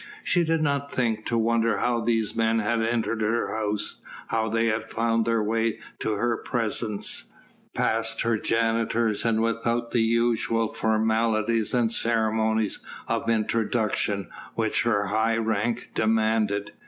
She did not think to wonder how these men had entered her house, how they had found their way to her presence, past her janitors, and without the usual formalities and ceremonies of introduction which her high rank demanded.